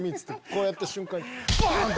こうやった瞬間にバン！